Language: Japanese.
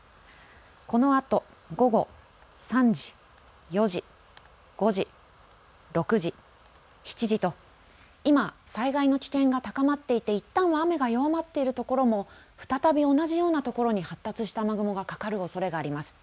このあと午後３時、４時５時、６時、７時と今災害の危険が高まっていていったんは雨が弱まっているところも再び同じようなところに発達した雨雲がかかるおそれがあります。